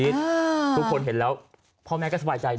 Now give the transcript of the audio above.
ทุกคนเห็นแล้วพ่อแม่ก็สบายใจ